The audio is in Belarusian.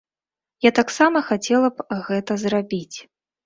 Я таксама хацела б гэта зрабіць.